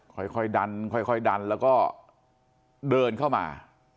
ค่อยดันค่อยดันแล้วก็เดินเข้ามา